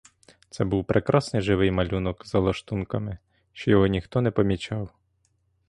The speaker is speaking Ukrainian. Це був прекрасний живий малюнок за лаштунками, що його ніхто не помічав.